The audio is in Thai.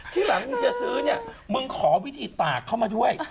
ที่หลังมึงจะซื้อเนี่ยมึงขอวิธีตากเข้ามาด้วย